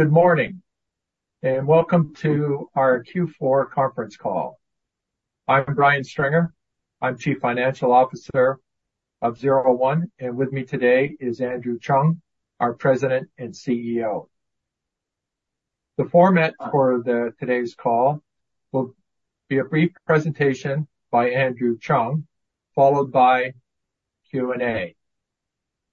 Good morning, and welcome to our Q4 Conference Call. I'm Brian Stringer. I'm Chief Financial Officer of 01, and with me today is Andrew Cheung, our President and CEO. The format for today's call will be a brief presentation by Andrew Cheung, followed by Q&A.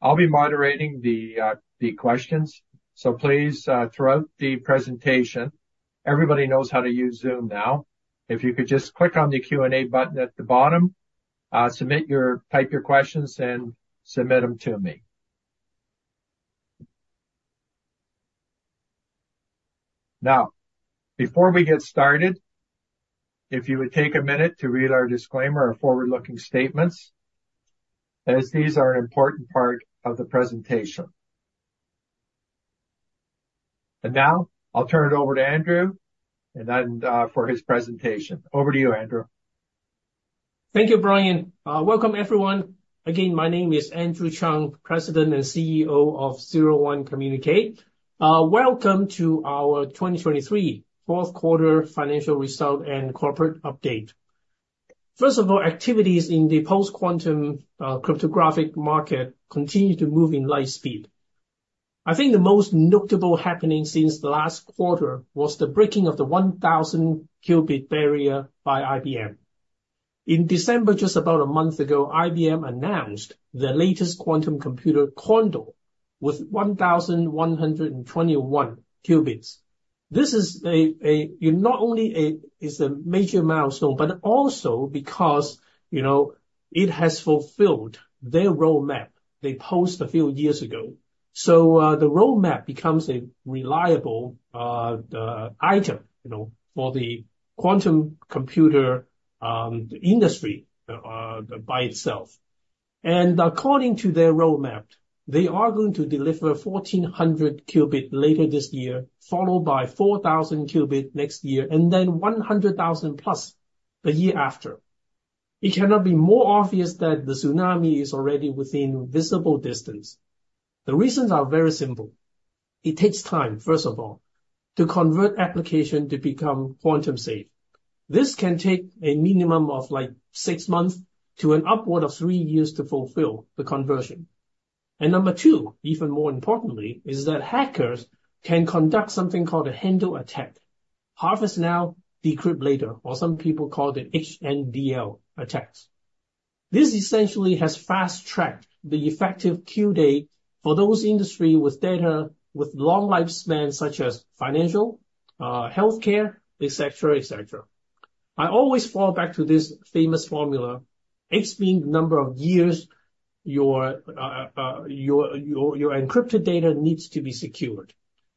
I'll be moderating the questions, so please, throughout the presentation, everybody knows how to use Zoom now. If you could just click on the Q&A button at the bottom, type your questions and submit them to me. Now, before we get started, if you would take a minute to read our disclaimer of forward-looking statements, as these are an important part of the presentation. Now, I'll turn it over to Andrew, and then, for his presentation. Over to you, Andrew. Thank you, Brian. Welcome, everyone. Again, my name is Andrew Cheung, President and CEO of 01 Communique. Welcome to our 2023 Q4 Financial Result and Corporate Update. First of all, activities in the post-quantum cryptographic market continue to move in light speed. I think the most notable happening since the last quarter was the breaking of the 1,000-qubit barrier by IBM. In December, just about a month ago, IBM announced the latest quantum computer, Condor, with 1,121 qubits. This is not only a major milestone, but also because, you know, it has fulfilled their roadmap they post a few years ago. So, the roadmap becomes a reliable item, you know, for the quantum computer industry by itself. According to their roadmap, they are going to deliver 1,400 qubits later this year, followed by 4,000 qubits next year, and then 100,000+ the year after. It cannot be more obvious that the tsunami is already within visible distance. The reasons are very simple. It takes time, first of all, to convert application to become quantum-safe. This can take a minimum of, like, six months to an upward of three years to fulfill the conversion. And number two, even more importantly, is that hackers can conduct something called a HNDL attack, Harvest Now, Decrypt Later, or some people call it HNDL attacks. This essentially has fast-tracked the effective queue date for those industry with data with long lifespan, such as financial, healthcare, et cetera, et cetera. I always fall back to this famous formula, X being the number of years your encrypted data needs to be secured,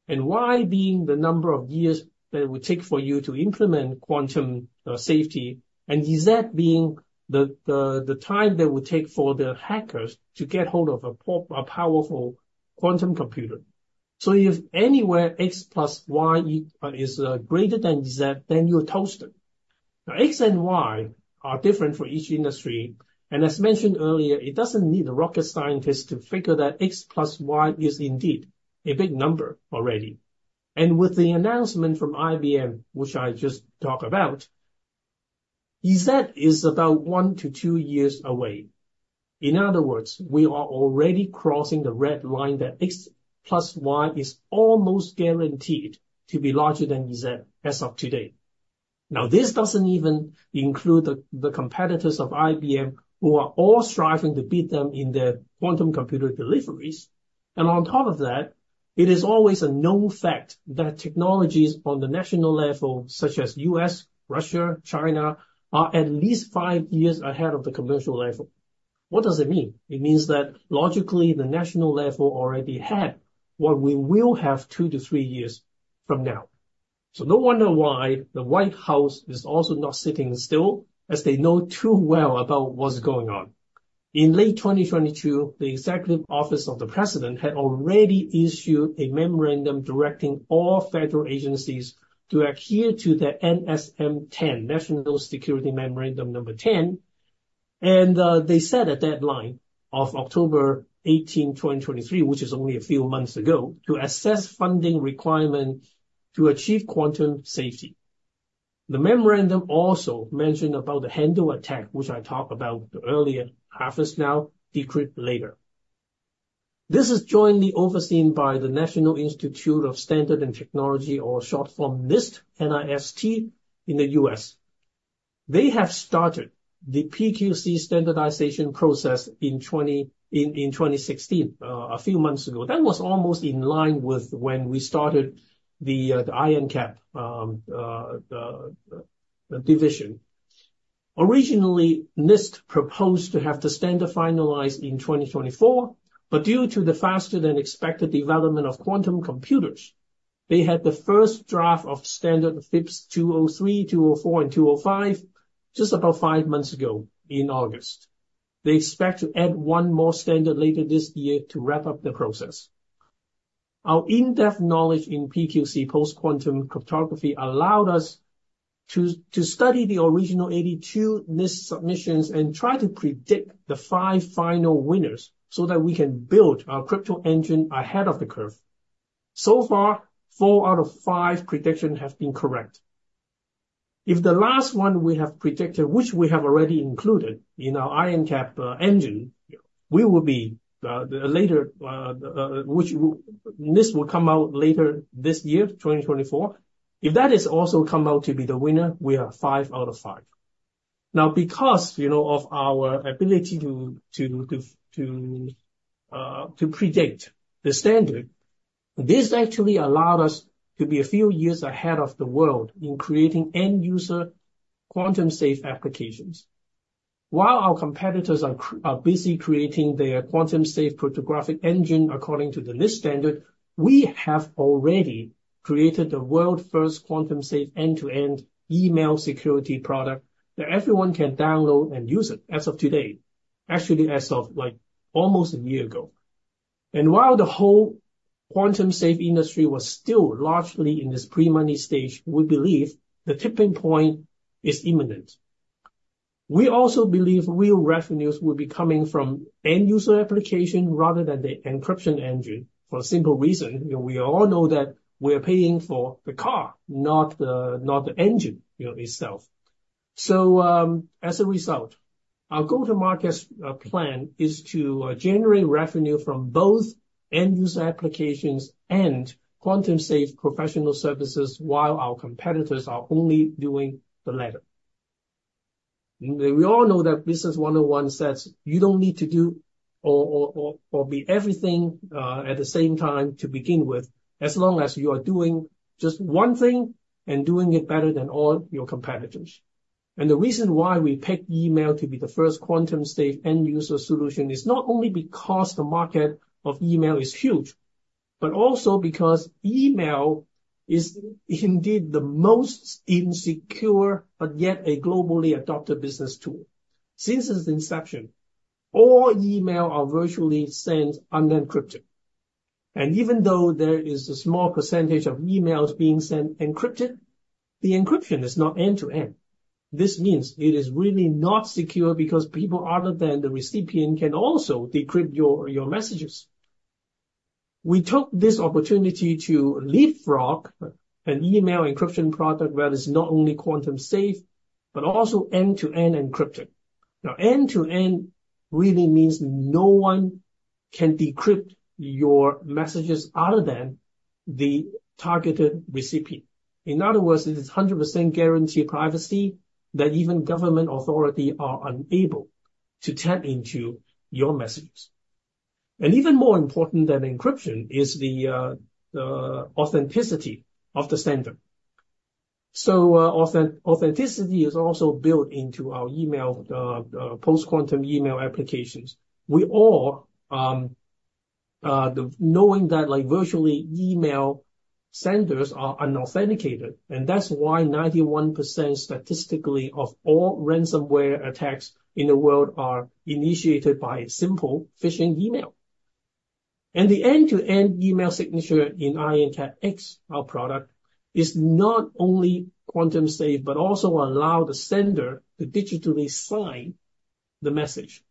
and Y being the number of years that it would take for you to implement quantum safety, and Z being the time that it would take for the hackers to get hold of a powerful quantum computer. So if anywhere X plus Y is greater than Z, then you're toasted. Now, X and Y are different for each industry, and as mentioned earlier, it doesn't need a rocket scientist to figure that X plus Y is indeed a big number already. And with the announcement from IBM, which I just talked about, Z is about 1-2 years away. In other words, we are already crossing the red line that X plus Y is almost guaranteed to be larger than Z as of today. Now, this doesn't even include the competitors of IBM, who are all striving to beat them in their quantum computer deliveries. And on top of that, it is always a known fact that technologies on the national level, such as U.S., Russia, China, are at least five years ahead of the commercial level. What does it mean? It means that logically, the national level already had what we will have two to three years from now. So no wonder why the White House is also not sitting still, as they know too well about what's going on. In late 2022, the Executive Office of the President had already issued a memorandum directing all federal agencies to adhere to the NSM-10, National Security Memorandum number 10. They set a deadline of October 18, 2023, which is only a few months ago, to assess funding requirements to achieve quantum safety. The memorandum also mentioned about the HNDL attack, which I talked about earlier, Harvest Now, Decrypt Later. This is jointly overseen by the National Institute of Standards and Technology, or short form, NIST, N-I-S-T, in the U.S. They have started the PQC standardization process in 2016, a few months ago. That was almost in line with when we started the IronCAP division. Originally, NIST proposed to have the standard finalized in 2024, but due to the faster-than-expected development of quantum computers, they had the first draft of standard FIPS 203, 204, and 205, just about five months ago in August. They expect to add one more standard later this year to wrap up the process. Our in-depth knowledge in PQC, post-quantum cryptography, allowed us to study the original 82 NIST submissions and try to predict the five final winners, so that we can build our crypto engine ahead of the curve. So far, four out of five predictions have been correct. If the last one we have predicted, which we have already included in our IronCAP engine, we will be the leader. NIST will come out later this year, 2024. If that is also come out to be the winner, we are five out of five. Now, because, you know, of our ability to predict the standard, this actually allowed us to be a few years ahead of the world in creating end-user quantum safe applications. While our competitors are busy creating their quantum safe cryptographic engine according to the NIST standard, we have already created the world's first quantum safe end-to-end email security product that everyone can download and use it as of today, actually, as of, like, almost a year ago. And while the whole quantum safe industry was still largely in this pre-money stage, we believe the tipping point is imminent. We also believe real revenues will be coming from end-user application rather than the encryption engine, for a simple reason. You know, we all know that we're paying for the car, not the engine, you know, itself. So, as a result, our go-to-market plan is to generate revenue from both end-user applications and quantum safe professional services, while our competitors are only doing the latter. We all know that Business 101 says you don't need to do or be everything at the same time to begin with, as long as you are doing just one thing and doing it better than all your competitors. And the reason why we picked email to be the first quantum safe end-user solution is not only because the market of email is huge, but also because email is indeed the most insecure, but yet a globally adopted business tool. Since its inception, all email are virtually sent unencrypted, and even though there is a small percentage of emails being sent encrypted, the encryption is not end-to-end. This means it is really not secure because people other than the recipient can also decrypt your messages. We took this opportunity to leapfrog an email encryption product that is not only quantum-safe, but also end-to-end encrypted. Now, end-to-end really means no one can decrypt your messages other than the targeted recipient. In other words, it is 100% guaranteed privacy that even government authority are unable to tap into your messages. And even more important than encryption is the authenticity of the sender. So, authenticity is also built into our email post-quantum email applications. We all, the knowing that, like, virtually email senders are unauthenticated, and that's why 91%, statistically, of all ransomware attacks in the world are initiated by a simple phishing email. The end-to-end email signature in IronCAP X, our product, is not only quantum safe, but also allow the sender to digitally sign the message.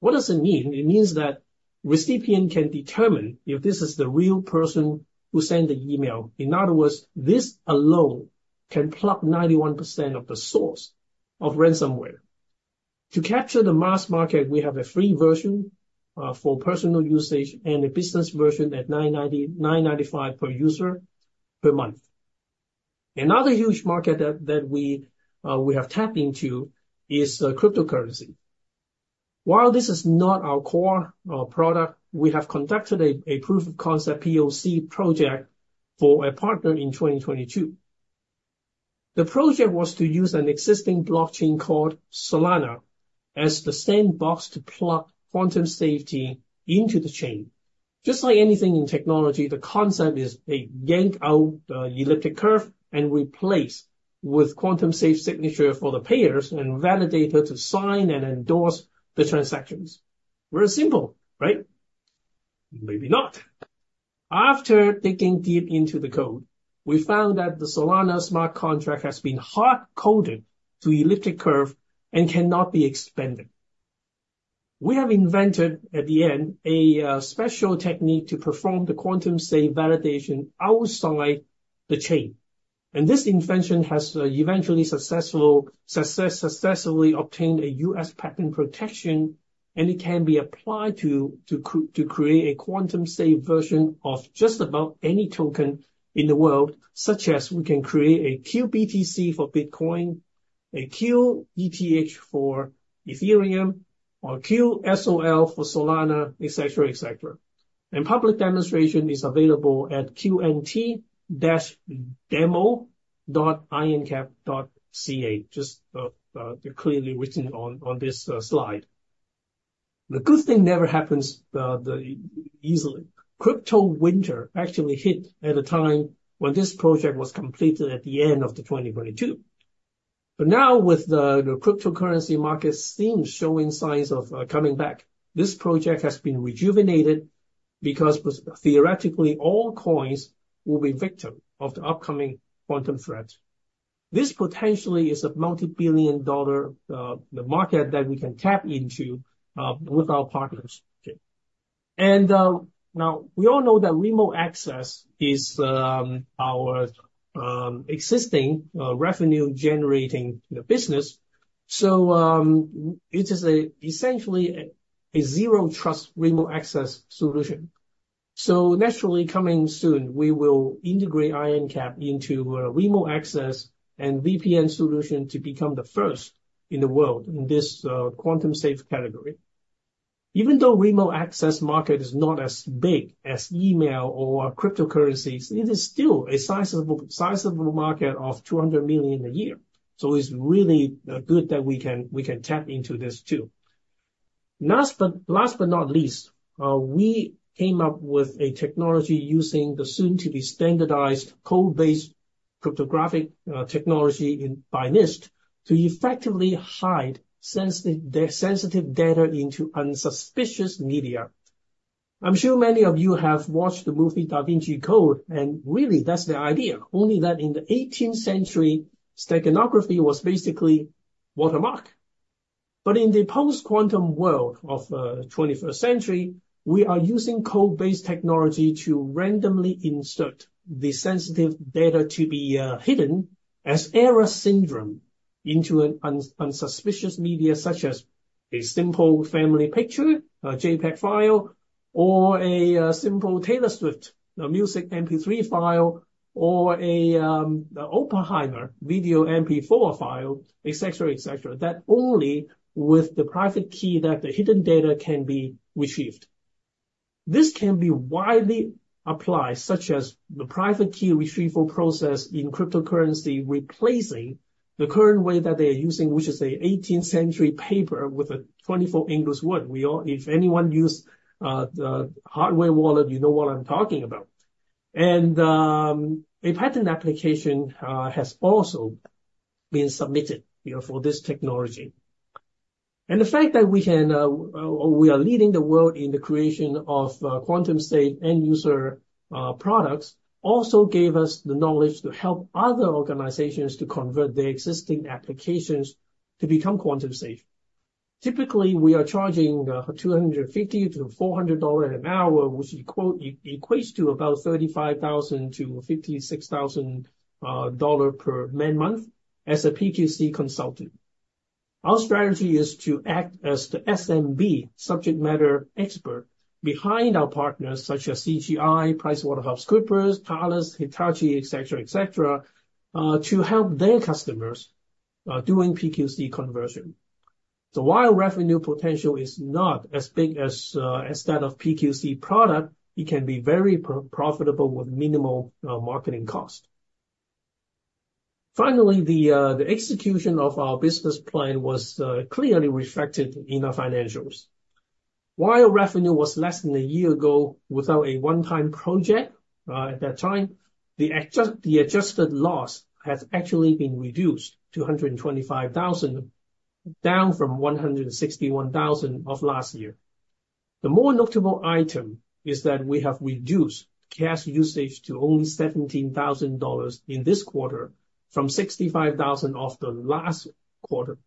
What does it mean? It means that recipient can determine if this is the real person who sent the email. In other words, this alone can plug 91% of the source of ransomware. To capture the mass market, we have a free version for personal usage and a business version at $99.95 per user, per month. Another huge market that, that we, we have tapped into is cryptocurrency. While this is not our core product, we have conducted a proof of concept, POC project, for a partner in 2022. The project was to use an existing blockchain called Solana as the sandbox to plug quantum safety into the chain. Just like anything in technology, the concept is a yank out the elliptic curve and replace with quantum safe signature for the payers and validator to sign and endorse the transactions. Very simple, right? Maybe not. After digging deep into the code, we found that the Solana smart contract has been hard-coded to elliptic curve and cannot be expanded. We have invented, at the end, a special technique to perform the quantum safe validation outside the chain, and this invention has eventually successfully obtained a U.S. patent protection, and it can be applied to create a quantum-safe version of just about any token in the world, such as we can create a qBTC for Bitcoin, a qETH for Ethereum, or a qSOL for Solana, et cetera, et cetera. And public demonstration is available at qnt-demo.ironcap.ca, just clearly written on this slide. The good thing never happens easily. Crypto winter actually hit at a time when this project was completed at the end of 2022. But now with the cryptocurrency market scene showing signs of coming back, this project has been rejuvenated because theoretically, all coins will be victim of the upcoming quantum threat. This potentially is a multi-billion-dollar market that we can tap into with our partners, okay? Now, we all know that remote access is our existing revenue-generating business. So, it is essentially a zero-trust remote access solution. So naturally, coming soon, we will integrate IronCAP into a remote access and VPN solution to become the first in the world in this quantum-safe category. Even though remote access market is not as big as email or cryptocurrencies, it is still a sizable market of $200 million a year. So it's really good that we can tap into this too. Last but not least, we came up with a technology using the soon-to-be standardized code-based cryptographic technology by NIST to effectively hide sensitive data into unsuspicious media. I'm sure many of you have watched the movie Da Vinci Code, and really, that's the idea, only that in the 18th century, steganography was basically watermark. But in the post-quantum world of the 21st century, we are using code-based technology to randomly insert the sensitive data to be hidden as error syndrome into an unsuspicious media, such as a simple family picture, a JPEG file, or a simple Taylor Swift music MP3 file, or a Oppenheimer video MP4 file, et cetera, et cetera, that only with the private key that the hidden data can be retrieved. This can be widely applied, such as the private key retrieval process in cryptocurrency, replacing the current way that they are using, which is an 18th-century paper with a 24 English word. If anyone use the hardware wallet, you know what I'm talking about. A patent application has also been submitted, you know, for this technology. The fact that we can or we are leading the world in the creation of quantum state end user products also gave us the knowledge to help other organizations to convert their existing applications to become quantum safe. Typically, we are charging $250-$400 an hour, which equates to about $35,000-$56,000 per man-month as a PQC consultant. Our strategy is to act as the SME, subject matter expert, behind our partners, such as CGI, PricewaterhouseCoopers, Thales, Hitachi, et cetera, et cetera, to help their customers doing PQC conversion. While revenue potential is not as big as that of PQC product, it can be very profitable with minimal marketing cost. Finally, the execution of our business plan was clearly reflected in our financials. While revenue was less than a year ago, without a one-time project at that time, the adjusted loss has actually been reduced to $125,000, down from $161,000 of last year. The more notable item is that we have reduced cash usage to only $17,000 in this quarter from $65,000 of the last quarter.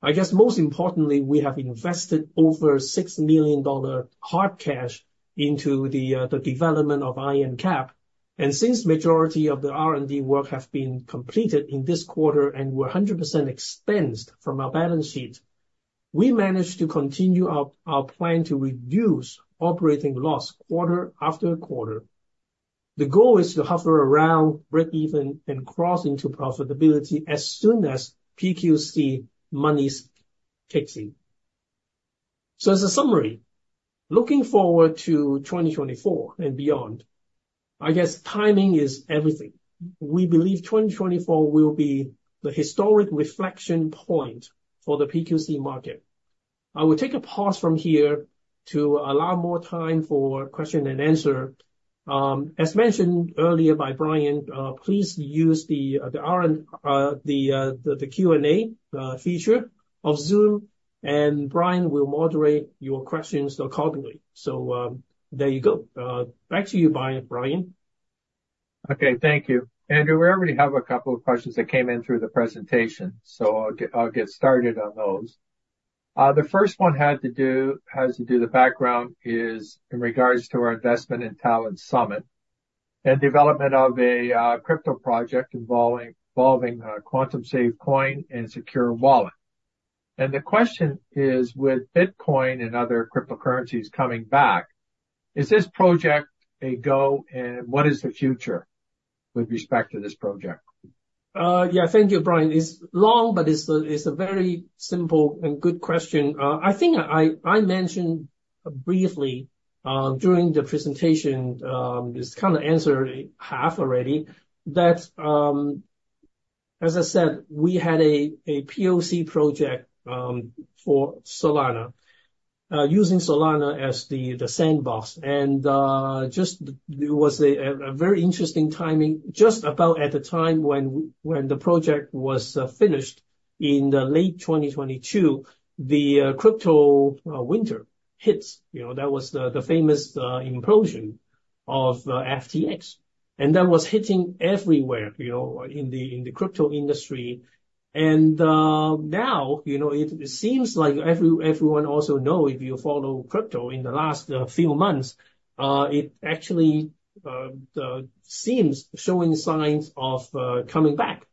I guess, most importantly, we have invested over $6 million hard cash into the development of IronCAP. And since majority of the R&D work have been completed in this quarter and were 100% expensed from our balance sheet, we managed to continue our plan to reduce operating loss quarter after quarter. The goal is to hover around, break even, and cross into profitability as soon as PQC monies kicks in. So as a summary, looking forward to 2024 and beyond, I guess timing is everything. We believe 2024 will be the historic reflection point for the PQC market. I will take a pause from here to allow more time for question and answer. As mentioned earlier by Brian, please use the R and the Q&A feature of Zoom, and Brian will moderate your questions accordingly. So, there you go. Back to you, Brian, Brian. Okay, thank you. Andrew, we already have a couple of questions that came in through the presentation, so I'll get started on those. The first one has to do the background, is in regards to our investment in Talon Summit and development of a crypto project involving a Quantum Safe coin and secure wallet. And the question is: with Bitcoin and other cryptocurrencies coming back, is this project a go, and what is the future with respect to this project? Yeah, thank you, Brian. It's long, but it's a very simple and good question. I think I mentioned briefly during the presentation this kind of answer half already, that, as I said, we had a POC project for Solana using Solana as the sandbox. And just it was a very interesting timing. Just about at the time when the project was finished in the late 2022, the crypto winter hits. You know, that was the famous implosion of FTX, and that was hitting everywhere, you know, in the crypto industry. And now, you know, everyone also know, if you follow crypto in the last few months, it actually seems showing signs of coming back.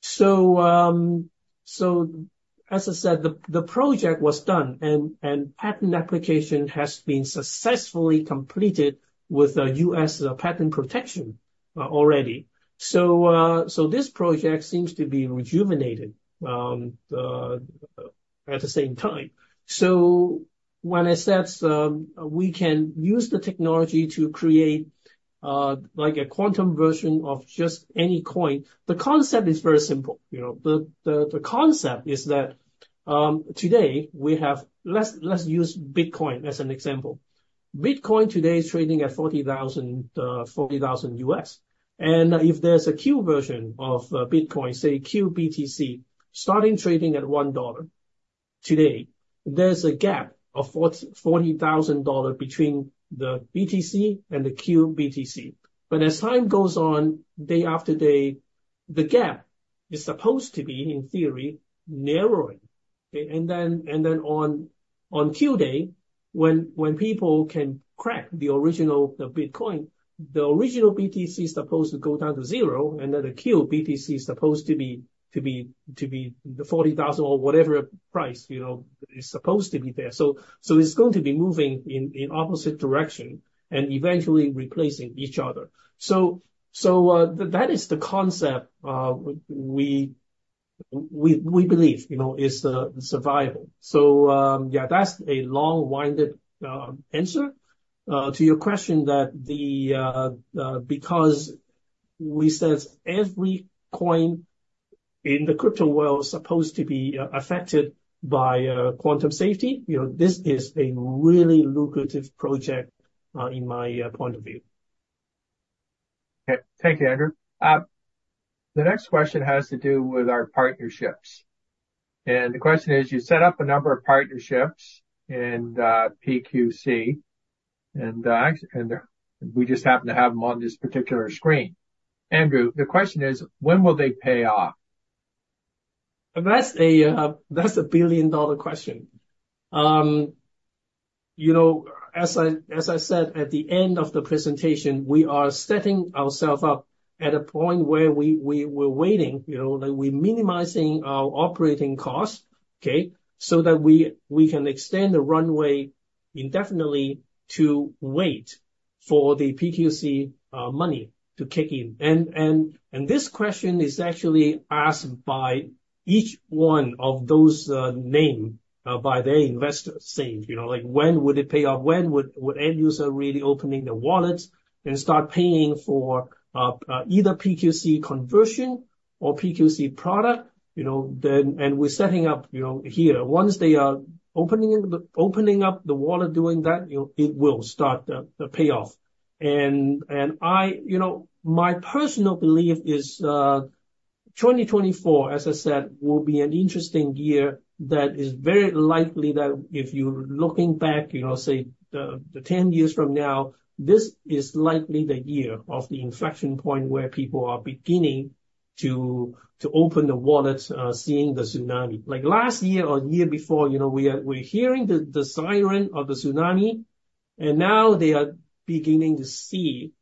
So as I said, the project was done, and patent application has been successfully completed with U.S. patent protection already. So this project seems to be rejuvenated at the same time. So when I said, we can use the technology to create, like, a quantum version of just any coin, the concept is very simple, you know. The concept is that, today we have... Let's use Bitcoin as an example. Bitcoin today is trading at $40,000, and if there's a Q version of Bitcoin, say, qBTC, starting trading at $1 today, there's a gap of $40,000 between the BTC and the qBTC. But as time goes on, day after day, the gap is supposed to be, in theory, narrowing. Okay? And then on Q day, when people can crack the original, the Bitcoin, the original BTC is supposed to go down to 0, and then the QBTC is supposed to be the $40,000 or whatever price, you know, is supposed to be there. So it's going to be moving in opposite direction and eventually replacing each other. So that is the concept we believe, you know, is survival. So yeah, that's a long-winded answer to your question, that because we said every coin in the crypto world is supposed to be affected by quantum safety, you know, this is a really lucrative project in my point of view. Okay. Thank you, Andrew. The next question has to do with our partnerships, and the question is: You set up a number of partnerships in PQC, and we just happen to have them on this particular screen. Andrew, the question is, when will they pay off? That's a, that's a billion-dollar question. You know, as I, as I said, at the end of the presentation, we are setting ourself up at a point where we're waiting, you know, like, we're minimizing our operating costs, okay? So that we can extend the runway indefinitely to wait for the PQC money to kick in. And this question is actually asked by each one of those, name, by their investors, saying, you know, like, "When would it pay off? When would end user really opening their wallets and start paying for either PQC conversion or PQC product?" You know, then, and we're setting up, you know, here. Once they are opening up the wallet, doing that, you know, it will start, the payoff. And I... You know, my personal belief is, 2024, as I said, will be an interesting year, that is very likely that if you're looking back, you know, say, 10 years from now, this is likely the year of the inflection point where people are beginning to open the wallets, seeing the tsunami. Like last year or year before, you know, we're hearing the siren of the tsunami, and now they are beginning to see,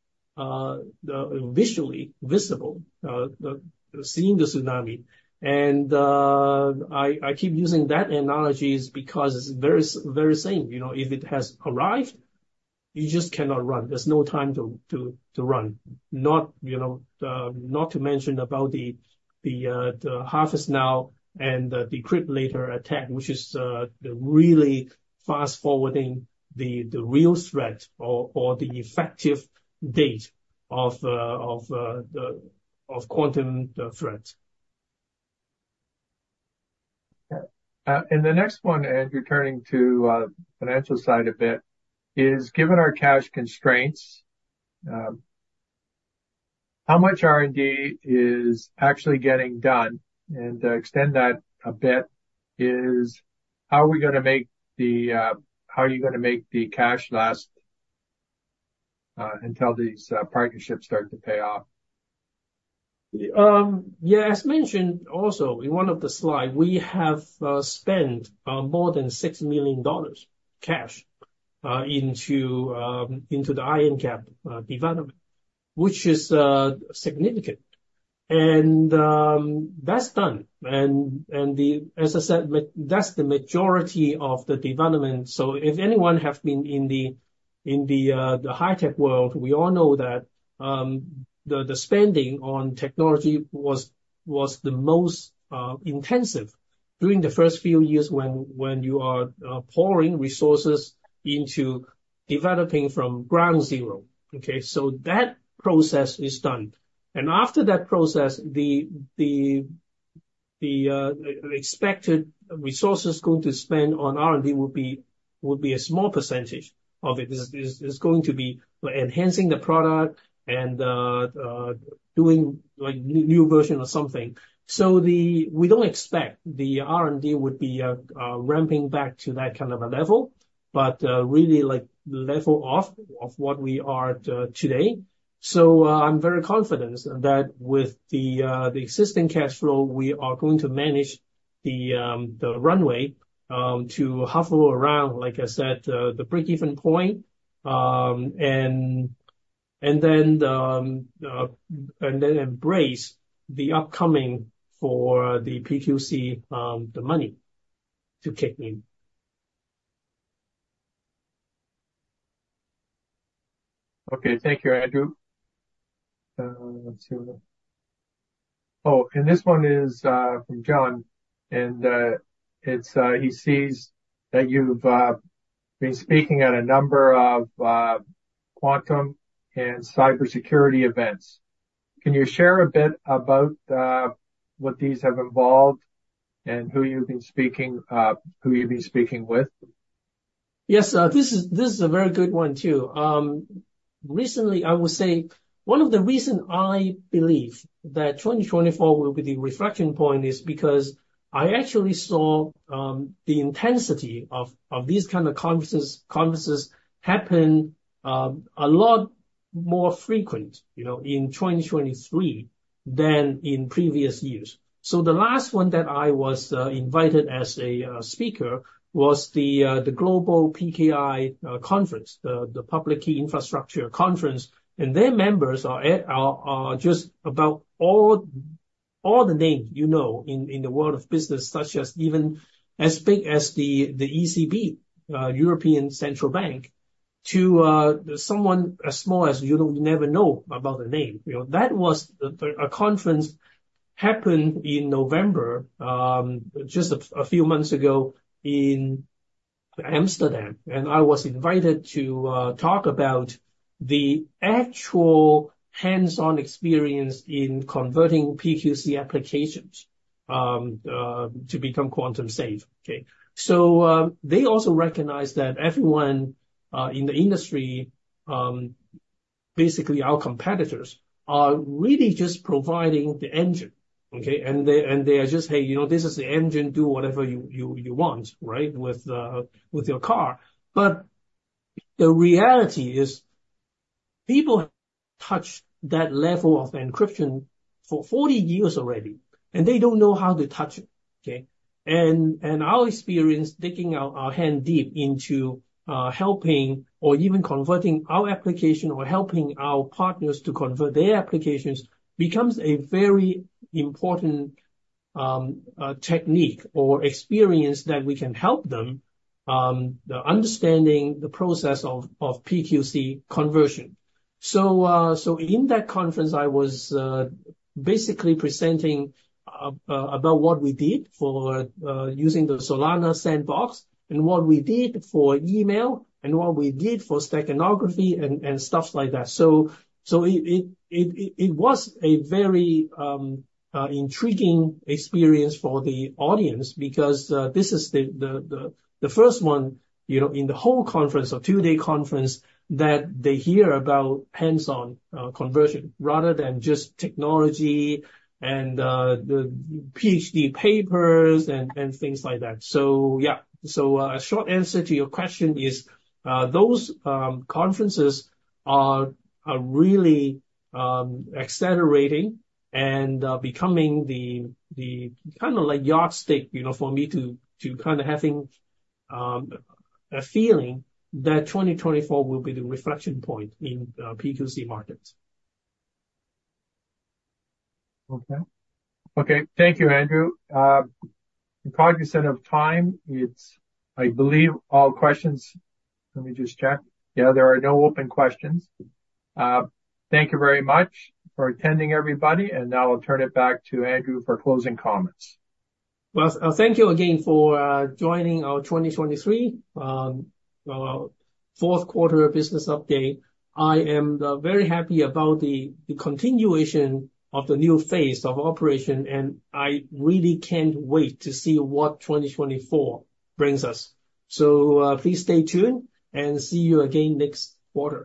visually, visible, seeing the tsunami. And I keep using that analogy because they're saying, you know, if it has arrived, you just cannot run. There's no time to run, you know, not to mention about the Harvest Now, Decrypt Later attack, which is really fast-forwarding the real threat or the effective date of the quantum threat. and the next one, and returning to, financial side a bit, is: Given our cash constraints, how much R&D is actually getting done? And, extend that a bit, is: How are we gonna make the, how are you gonna make the cash last, until these, partnerships start to pay off? Yeah, as mentioned also in one of the slides, we have spent more than $6 million cash into the IronCAP development, which is significant. And that's done. And as I said, that's the majority of the development. So if anyone have been in the high-tech world, we all know that the spending on technology was the most intensive during the first few years when you are pouring resources into developing from ground zero. Okay? So that process is done. And after that process, the expected resources going to spend on R&D would be a small percentage of it. Is going to be enhancing the product and doing, like, new version or something. We don't expect the R&D would be ramping back to that kind of a level, but really, like, level off of what we are at today. So, I'm very confident that with the existing cash flow, we are going to manage the runway to hover around, like I said, the breakeven point. And then embrace the upcoming for the PQC, the money to kick in. Okay, thank you, Andrew. Let's see. Oh, and this one is from John, and it's, he sees that you've been speaking at a number of quantum and cybersecurity events. Can you share a bit about what these have involved and who you've been speaking with? Yes, this is a very good one, too. Recently, I would say one of the reasons I believe that 2024 will be the reflection point is because I actually saw the intensity of these kind of conferences. Conferences happen a lot more frequent, you know, in 2023 than in previous years. So the last one that I was invited as a speaker was the Global PKI conference, the Public Key Infrastructure Conference. And their members are just about all the names you know in the world of business, such as even as big as the ECB, European Central Bank, to someone as small as you don't never know about the name. You know, that was the... A conference happened in November, just a few months ago in Amsterdam, and I was invited to talk about the actual hands-on experience in converting PQC applications to become quantum safe. Okay? So, they also recognize that everyone in the industry, basically, our competitors, are really just providing the engine, okay? And they are just, "Hey, you know, this is the engine. Do whatever you want, right? With your car." But the reality is, people touch that level of encryption for 40 years already, and they don't know how to touch it, okay? And our experience, digging our hand deep into helping or even converting our application or helping our partners to convert their applications, becomes a very important technique or experience that we can help them understanding the process of PQC conversion. So in that conference, I was basically presenting about what we did for using the Solana sandbox, and what we did for email and what we did for steganography and stuff like that. So it was a very intriguing experience for the audience because this is the first one, you know, in the whole conference, a two-day conference, that they hear about hands-on conversion, rather than just technology and the PhD papers and things like that. So yeah. So, a short answer to your question is, those conferences are really accelerating and, becoming the kind of like yardstick, you know, for me to kind of having a feeling that 2024 will be the reflection point in PQC markets. Okay. Okay, thank you, Andrew. Probably percent of time, it's, I believe, all questions. Let me just check. Yeah, there are no open questions. Thank you very much for attending, everybody, and now I'll turn it back to Andrew for closing comments. Well, thank you again for joining our 2023 Q4 business update. I am very happy about the continuation of the new phase of operation, and I really can't wait to see what 2024 brings us. So, please stay tuned, and see you again next quarter.